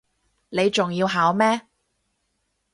你仲要考咩